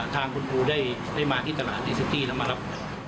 ทางคุณผู้ได้มาที่ตลาดในสุดที่แล้วครับ